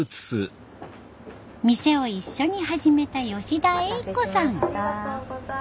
店を一緒に始めた吉田英子さん。